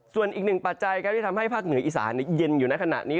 ส่วนอีกหนึ่งปัจจัยครับที่ทำให้ภาคเหนืออีสานเย็นอยู่ในขณะนี้